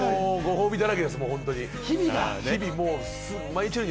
ご褒美だらけです、日々。